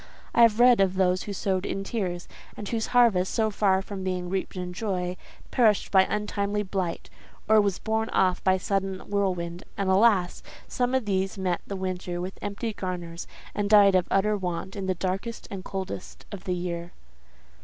I have read of those who sowed in tears, and whose harvest, so far from being reaped in joy, perished by untimely blight, or was borne off by sudden whirlwind; and, alas! some of these met the winter with empty garners, and died of utter want in the darkest and coldest of the year."